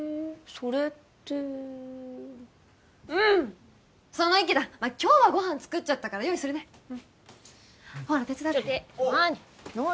それってうんその意気だ今日はご飯作っちゃったから用意するねほら手伝ってちょっと何？